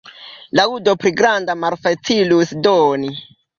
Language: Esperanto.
Laŭdon pli grandan malfacilus doni.